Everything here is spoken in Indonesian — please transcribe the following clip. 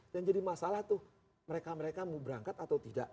yang jadi masalah tuh mereka mereka mau berangkat atau tidak